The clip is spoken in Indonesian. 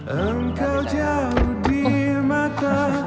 engkau jauh di mata